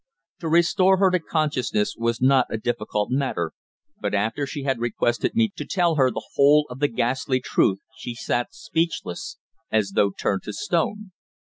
To restore her to consciousness was not a difficult matter, but after she had requested me to tell her the whole of the ghastly truth she sat speechless, as though turned to stone.